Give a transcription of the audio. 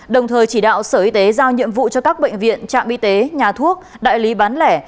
đồng thời chỉ đạo sở y tế giao nhiệm vụ cho các bệnh viện trạm y tế nhà thuốc đại lý bán lẻ